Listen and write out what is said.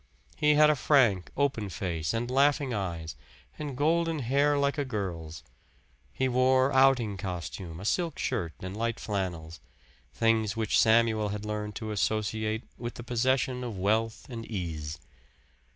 He had a frank, open face, and laughing eyes, and golden hair like a girl's. He wore outing costume, a silk shirt and light flannels things which Samuel had learned to associate with the possession of wealth and ease.